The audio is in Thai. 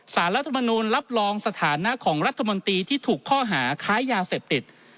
รัฐมนูลรับรองสถานะของรัฐมนตรีที่ถูกข้อหาค้ายาเสพติด